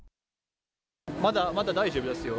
まだ大丈夫ですよ。